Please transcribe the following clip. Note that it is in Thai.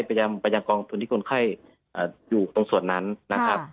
พยายามไปยังกองทุนที่คนไข้อยู่ตรงส่วนนั้นนะครับ